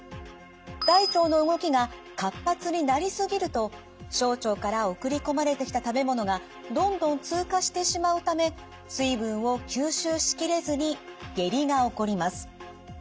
大腸の動きが活発になりすぎると小腸から送り込まれてきた食べ物がどんどん通過してしまうため水分を吸収しきれずに下痢が起こります。